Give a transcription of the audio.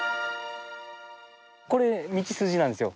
これ道筋なんですよ